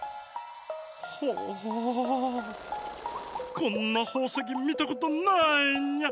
こんなほうせきみたことないニャ。